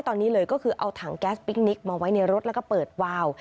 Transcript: ตอนนี้เลยก็คือเอาถังแก๊สปิ๊กนิกมาไว้ในรถแล้วก็เปิดวาว